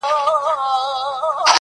په اُمید د مغفرت دي د کرم رحم مالِکه,